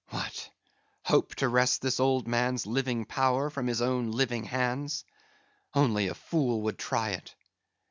What! hope to wrest this old man's living power from his own living hands? Only a fool would try it.